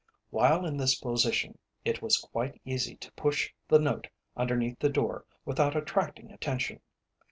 While in this position, it was quite easy to push the note underneath the door without attracting attention.